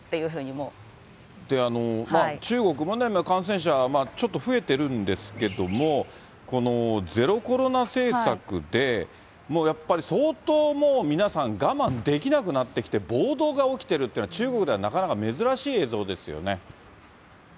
中国も感染者、ちょっと増えてるんですけども、ゼロコロナ政策でやっぱり、相当もう皆さん、我慢できなくなってきて、暴動が起きてるっていうのは、中国ではなかなか珍しい映像ですよ